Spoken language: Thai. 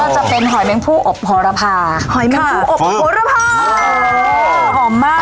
แล้วก็จะเป็นหอยแม่งผู้อบฮอรภาหอยแม่งผู้อบฮอรภาโอ้โหหอมมากค่ะ